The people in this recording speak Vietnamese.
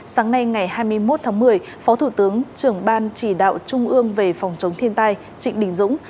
sáng nay ngày hai mươi một tháng một mươi phó thủ tướng trưởng ban chỉ đạo trung ương về phòng chống thiên tai trịnh đình dũng